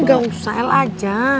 gak usah el aja